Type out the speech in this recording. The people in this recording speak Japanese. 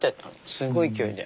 すごい勢いで。